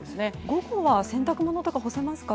午後は洗濯物とか干せますか？